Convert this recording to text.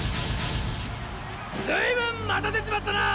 随分待たせちまったな！